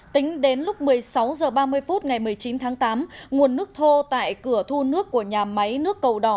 tính đến lúc một mươi sáu h ba mươi phút ngày một mươi chín tháng tám nguồn nước thô tại cửa thu nước của nhà máy nước cầu đỏ